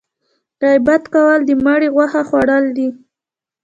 غیبت کول د مړي غوښه خوړل دي